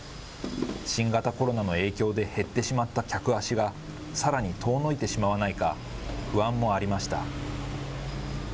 新型コロナの影響で減ってしまった客足が、さらに遠のいてしまわないか、不安もありました。